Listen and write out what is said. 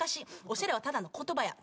おしゃれはただの言葉や。